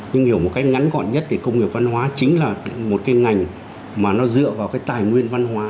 nhưng hiểu một cách ngắn gọn nhất thì công nghiệp văn hóa chính là một cái ngành mà nó dựa vào cái tài nguyên văn hóa